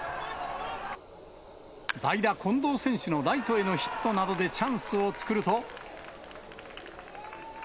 代打、近藤選手のライトへのヒットなどでチャンスを作ると。